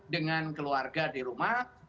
dengan keluarga di rumah